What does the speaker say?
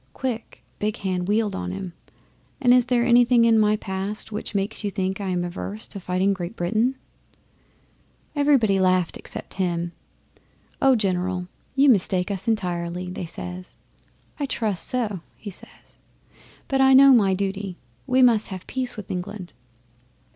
Quick Big Hand wheeled on him, "And is there anything in my past which makes you think I am averse to fighting Great Britain?" 'Everybody laughed except him. "Oh, General, you mistake us entirely!" they says. "I trust so," he says. "But I know my duty. We must have peace with England."